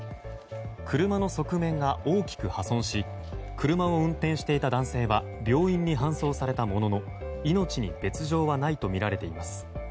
車の側面が大きく破損し車を運転していた男性は病院に搬送されたものの命に別条はないとみられています。